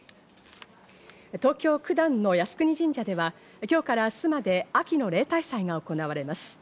東京・九段の靖国神社では今日から明日まで秋の例大祭が行われます。